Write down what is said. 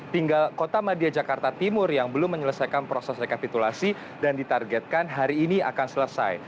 tinggal kota madia jakarta timur yang belum menyelesaikan proses rekapitulasi dan ditargetkan hari ini akan selesai